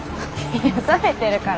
いや覚めてるから。